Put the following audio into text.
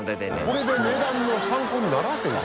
これで値段の参考にならへん。